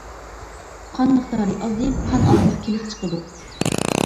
قان مىقدارى ئازىيىپ، قان ئازلىق كېلىپ چىقىدۇ.